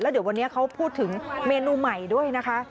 เดี๋ยววันนี้เขาพูดถึงเมนูใหม่ด้วยนะคะ